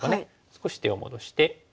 少し手を戻して。